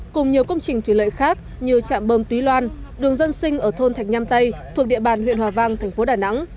cùng nhiều công trình thủy lợi khác như trạm bơm túy loan đường dân sinh ở thôn thạch nham tây thuộc địa bàn huyện hòa vang thành phố đà nẵng